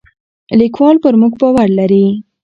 لیکوال پر موږ باور لري.